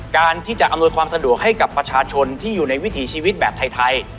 การที่จะอำนวยความสะดวกให้กับประชาชนที่อยู่ในวิถีชีวิตแบบไทย